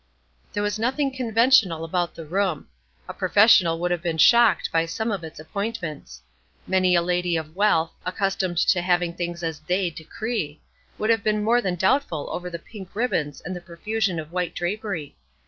There was nothing conventional about the room. A professional would have been shocked by some of its appointments. Many a lady of wealth, accustomed to having things as "they" decree, would have been more than doubtful over the pink ribbons and the profusion of white drapery.